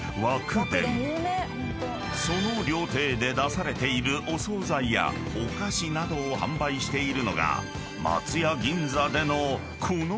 ［その料亭で出されているお総菜やお菓子などを販売しているのが松屋銀座でのこの店舗］